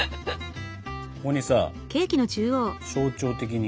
ここにさ象徴的に。